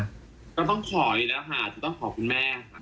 ก็ต้องขออีกแล้วค่ะจะต้องขอคุณแม่ค่ะ